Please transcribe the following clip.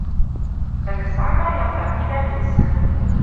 Тӹдӹ сага ямдар кидӓ весӹ